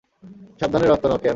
সাবধানে রক্ত নাও, ক্যাম।